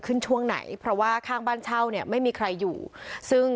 ช่วงไหนเพราะว่าข้างบ้านเช่าเนี่ยไม่มีใครอยู่ซึ่ง